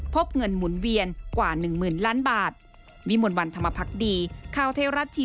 พบเงินหมุนเวียนกว่า๑๐๐๐ล้านบาท